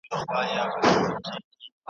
هغه پر خپل ژوند واک لري.